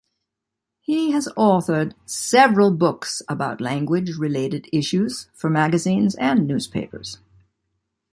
He has authored several books about language-related issues for magazines and newspapers.